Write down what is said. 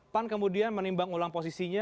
pan kemudian menimbang ulang posisinya